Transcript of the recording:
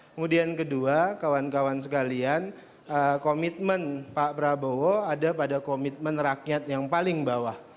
kemudian kedua kawan kawan sekalian komitmen pak prabowo ada pada komitmen rakyat yang paling bawah